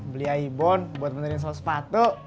beli aibon buat benerin satu sepatu